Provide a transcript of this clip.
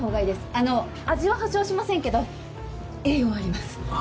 あの味は保証しませんけど栄養はあります。